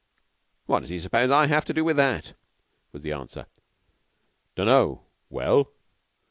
'" "What does he suppose I have to do with that?" was the answer. "Dunno. Well?"